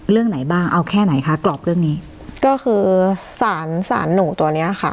เรื่องไหนบ้างเอาแค่ไหนคะกรอบเรื่องนี้ก็คือสารสารหนูตัวเนี้ยค่ะ